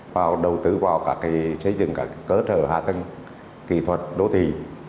và đầu tư vào xây dựng các cơ trở hạ tỉnh kỹ thuật đô thị